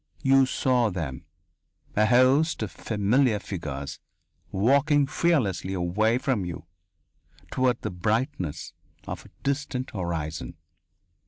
You saw them, a host of familiar figures, walking fearlessly away from you toward the brightness of a distant horizon.